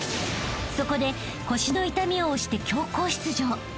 ［そこで腰の痛みをおして強行出場］